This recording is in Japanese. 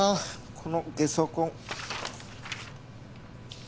このゲソ痕。